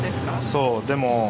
そうでも。